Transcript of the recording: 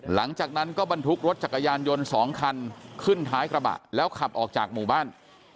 หลังจากนั้นก็บรรทุกรถจักรยานยนต์๒คันขึ้นท้ายกระบะแล้วขับออกจากหมู่บ้าน